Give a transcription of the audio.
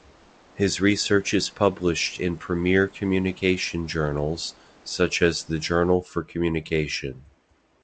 His research is published in premiere communication journals such as the Journal for Communication.